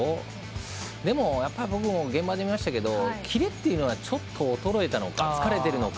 でも、僕も現場で見ましたけどキレっていうのは、ちょっと衰えたのか疲れてるのか。